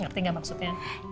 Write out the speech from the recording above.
ngerti gak maksudnya